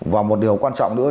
và một điều quan trọng nữa